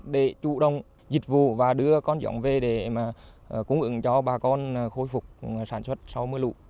để chủ động dịch vụ và đưa con dòng về để cung ứng cho bà con khôi phục sản xuất sau mưa lũ